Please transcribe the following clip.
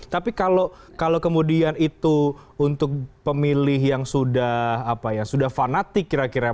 tapi kalau kemudian itu untuk pemilih yang sudah fanatik kira kira